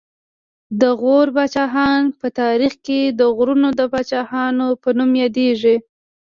د غور پاچاهان په تاریخ کې د غرونو د پاچاهانو په نوم یادېدل